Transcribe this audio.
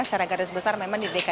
secara garis besar memang diberikan